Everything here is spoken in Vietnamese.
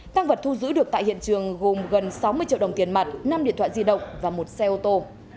tăng vật thu giữ được tại hiện trường gồm gần sáu mươi triệu đồng tiền mặt năm điện thoại di động và một xe ô tô